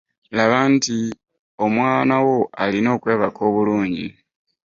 Laba nti omwana wo alina okwebaka obulungi.